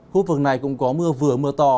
khu vực này cũng có mưa vừa mưa to